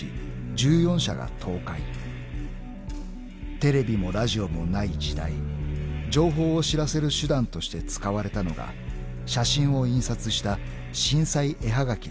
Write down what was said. ［テレビもラジオもない時代情報を知らせる手段として使われたのが写真を印刷した震災絵はがきだった］